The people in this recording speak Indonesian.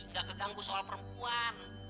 nggak keganggu soal perempuan